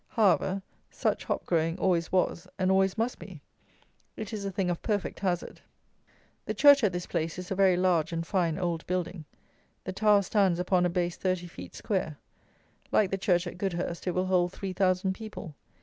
However, such hop growing always was and always must be. It is a thing of perfect hazard. The church at this place is a very large and fine old building. The tower stands upon a base thirty feet square. Like the church at Goudhurst, it will hold three thousand people.